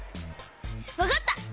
わかった！